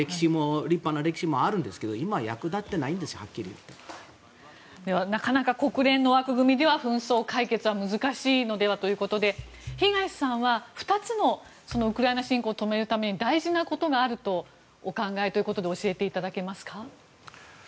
立派な歴史もあるんですけどなかなか国連の枠組みでは紛争解決は難しいのではということで東さんは２つのウクライナ侵攻を止めるために大事なことがあるとお考えということで教えていただけますか。